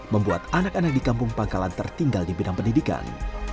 membuat anak anak di kampung pangkalan tertinggal di bidang pendidikan